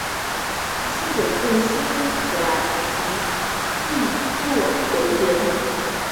于是演变成新英格兰及易洛魁联盟与新法兰西和瓦巴纳基联盟间的相互对抗。